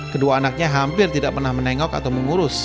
kedua anaknya hampir tidak pernah menengok atau mengurus